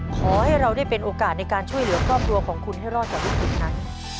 ขอให้เราได้เป็นโอกาสในการช่วยเหลือครอบครัวของคุณให้รอดจากวิกฤตนั้น